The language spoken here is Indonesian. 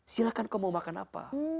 silahkan kau mau makan apa